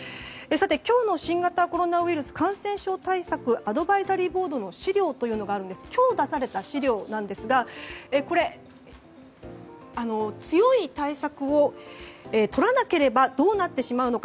今日の新型コロナウイルス感染症対策アドバイザリーボードの資料があるんですがこれは、今日出された資料なんですが強い対策をとらなければどうなってしまうのか。